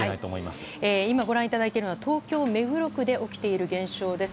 今ご覧いただいているのは東京・目黒区で起きている現象です。